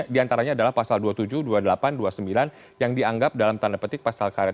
di antaranya adalah pasal dua puluh tujuh dua puluh delapan dua puluh sembilan yang dianggap dalam tanda petik pasal karet